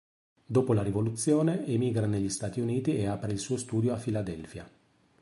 Dopo la rivoluzione, emigra negli Stati Uniti e apre il suo studio a Filadelfia.